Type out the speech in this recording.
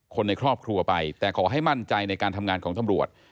คนในครอบครัวไปแต่ขอให้มั่นใจในการทำงานของตำรวจ